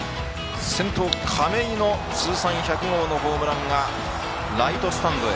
先頭亀井の通算１００号のホームランがライトスタンドへ。